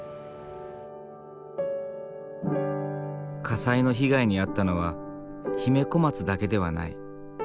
火災の被害に遭ったのは姫小松だけではない。